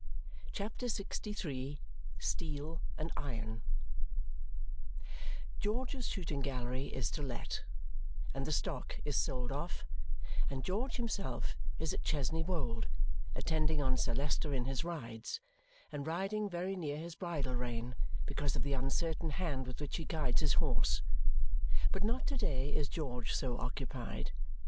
CHAPTER LXIII Steel and Iron George's Shooting Gallery is to let, and the stock is sold off, and George himself is at Chesney Wold attending on Sir Leicester in his rides and riding very near his bridle rein because of the uncertain hand with which he guides his horse. But not to day is George so occupied.